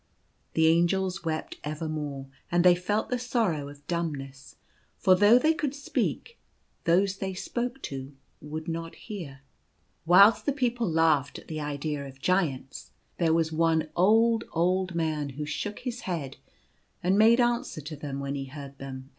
The Angels wept evermore, and they felt the sorrow of dumbness — for though they could speak, those they spoke to would not hear. Zaya. 47 Whilst the people laughed at the idea of Giants, there was one old old man who shook his head, and made answer to them, when he heard them, ar.